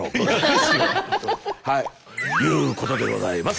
いうことでございます。